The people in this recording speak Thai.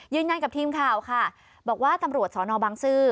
ยืนยันกับทีมข่าวค่ะบอกว่าตำรวจสอนอบังซื้อ